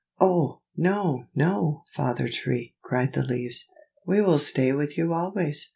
"Oh, no! no! Father Tree," cried the leaves, "we will stay with you always."